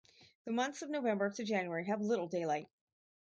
The months of November to January have little daylight.